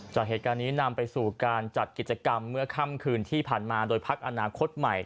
จากเหตุการณ์นี้นำไปสู่การจัดกิจกรรมเมื่อค่ำคืนที่ผ่านมาโดยพักอนาคตใหม่